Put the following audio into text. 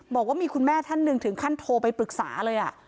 บอกว่ามีคุณแม่ท่านหนึ่งถึงขั้นโทรไปปรึกษาเลย